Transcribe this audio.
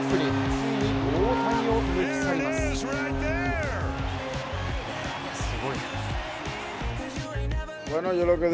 ついに大谷を抜き去ります。